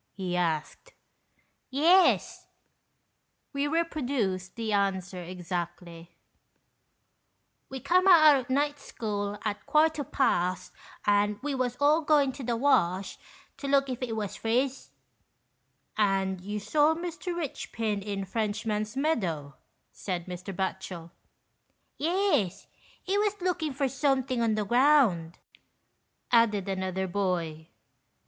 he asked. "Yes," (we reproduce the answer exactly), "we come out o' night school at quarter past, and we was all goin' to the Wash to look if it was friz." "And you saw Mr. Richpin in Frenchman's Meadow ?" said Mr. Batchel. 38 THE RICHPINS. " Yes. He was looking for something on the ground," added another boy.